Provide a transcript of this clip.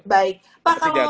pak kalau sejauh ini